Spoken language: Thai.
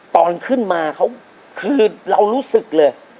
ตอนขึ้นมาเขาคือเรารู้สึกเลย